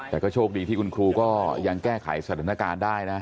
แต่ก็โชคดีที่คุณครูก็ยังแก้ไขสถานการณ์ได้นะ